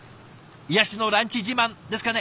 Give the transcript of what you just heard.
癒やしのランチ自慢ですかね。